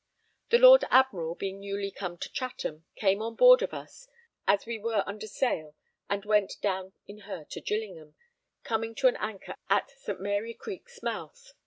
The Lord Admiral, being newly come to Chatham, came on board of us as we were under sail and went down in her to Gillingham, coming to an anchor at St. Mary Creek's mouth.